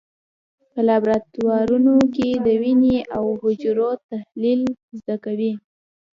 په لابراتوارونو کې د وینې او حجرو تحلیل زده کوي.